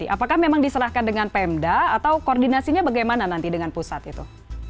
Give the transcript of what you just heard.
apakah memang diserahkan dengan pemda atau koordinasinya bagaimana nanti dengan pusat itu